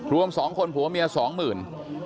รวม๒คนผัวเมียสองหมื่น